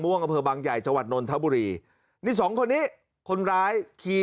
อำเภอบางใหญ่จังหวัดนนทบุรีนี่สองคนนี้คนร้ายขี่